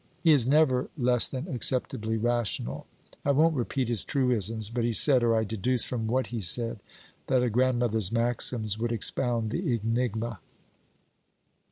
He is never less than acceptably rational. I won't repeat his truisms; but he said, or I deduced from what he said, that a grandmother's maxims would expound the enigma.'